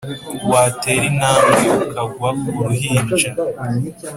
Watera intambwe ukagwa ku ruhinja